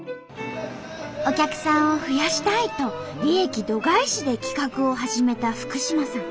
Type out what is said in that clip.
お客さんを増やしたいと利益度外視で企画を始めた福嶋さん。